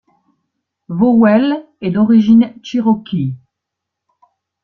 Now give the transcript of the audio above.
Vowell est d'origine Cherokee.